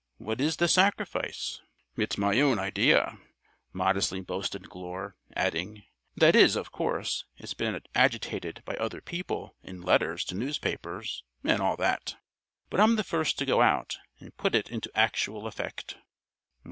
What is the 'sacrifice'?" "It's my own idea," modestly boasted Glure, adding: "That is, of course, it's been agitated by other people in letters to newspapers and all that, but I'm the first to go out and put it into actual effect."